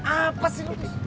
apa sih lu